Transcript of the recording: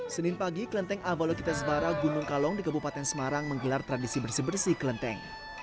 senin pagi kelenteng avalokytes bara gunung kalong di kabupaten semarang menggelar tradisi bersih bersih kelenteng